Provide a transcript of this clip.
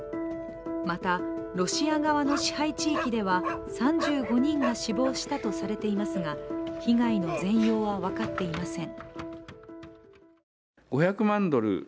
また、ロシア側の支配地域では３５人が死亡したとされていますが被害の全容は分かっていません。